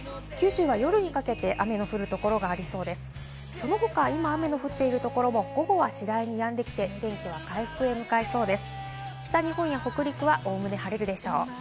その他、今雨の降っているところも、午後は次第にやんできて、天気は回復に向かいそうです。